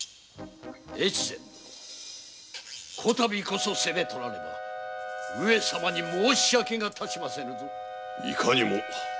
大岡殿今度こそ責任をとらねば上様に申し訳がたちませぬぞいかにも。